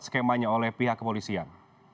skemanya oleh pihak kepolisian